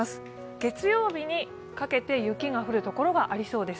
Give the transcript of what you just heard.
月曜日にかけて雪が降るところがありそうです。